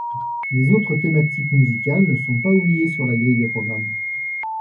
Les autres thématiques musicales ne sont pas oubliées sur la grille des programmes.